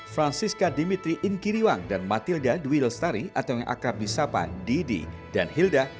francisca dimitri inkiriwang dan matilda dwi lestari atau yang akrab di sapa didi dan hilda